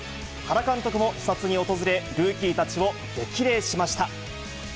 原監督も視察に訪れ、ルーキーたちを激励しました。